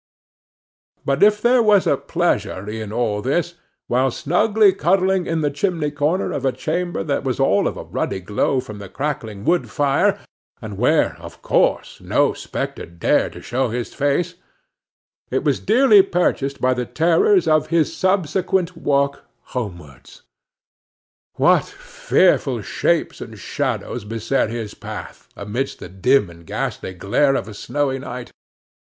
But if there was a pleasure in all this, while snugly cuddling in the chimney corner of a chamber that was all of a ruddy glow from the crackling wood fire, and where, of course, no spectre dared to show its face, it was dearly purchased by the terrors of his subsequent walk homewards. What fearful shapes and shadows beset his path, amidst the dim and ghastly glare of a snowy night!